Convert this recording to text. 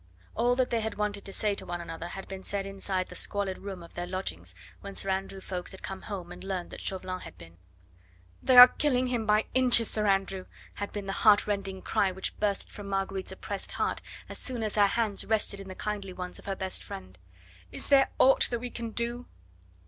All that they had wanted to say to one another had been said inside the squalid room of their lodgings when Sir Andrew Ffoulkes had come home and learned that Chauvelin had been. "They are killing him by inches, Sir Andrew," had been the heartrending cry which burst from Marguerite's oppressed heart as soon as her hands rested in the kindly ones of her best friend. "Is there aught that we can do?"